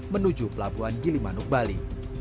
menuju pelabuhan gilimanuk bali